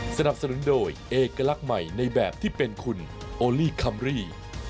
สนับสนุนโดยเอกลักษณ์ใหม่ในแบบที่เป็นคุณโอลี่คัมรี่